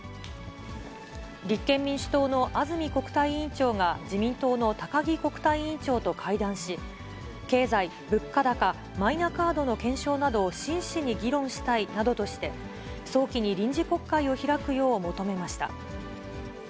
立憲民主党の安住国対委員長が自民党の高木国対委員長と会談し、経済、物価高、マイナカードの検証などを真摯に議論したいなどとして、早期に臨時国会を開くよう求めました。